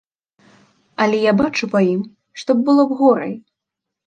Але я бачу па ім, што было б горай.